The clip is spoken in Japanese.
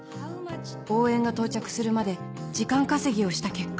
応援が到着するまで時間稼ぎをした結果